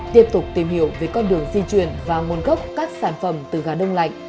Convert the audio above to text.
tiếp tục tìm hiểu về con đường di chuyển và nguồn gốc các sản phẩm từ gà đông lạnh